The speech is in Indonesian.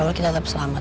yang putih kepadamu